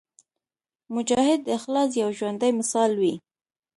مجاهد د اخلاص یو ژوندی مثال وي.